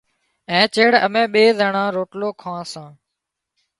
اين چيڙ امين ٻي زنڻان روٽلو کان سان۔